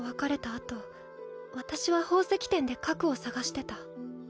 あと私は宝石店で核を捜してた。